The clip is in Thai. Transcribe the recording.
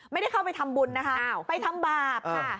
ไม่ได้เข้าไปทำบุญนะคะไปทำบาปค่ะ